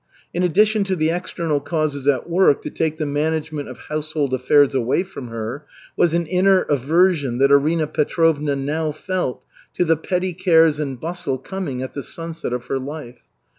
In addition to the external causes at work to take the management of household affairs away from her, was an inner aversion that Arina Petrovna now felt to the petty cares and bustle coming at the sunset of her life.